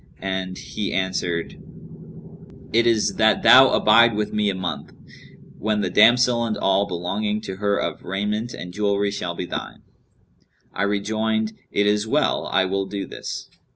and he answered, 'It is that thou abide with me a month, when the damsel and all belonging to her of raiment and jewellery shall be thine.' I rejoined, 'It is well, I will do this.'